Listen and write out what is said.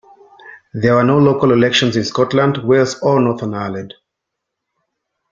There were no local elections in Scotland, Wales or Northern Ireland.